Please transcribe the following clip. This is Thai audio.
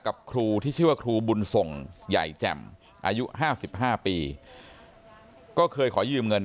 ครูที่ชื่อว่าครูบุญส่งใหญ่แจ่มอายุ๕๕ปีก็เคยขอยืมเงิน